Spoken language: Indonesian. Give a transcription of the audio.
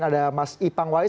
ada mas ibang wahid